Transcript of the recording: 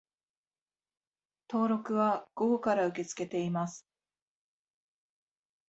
登録は午後から受け付けています